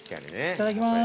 いただきます。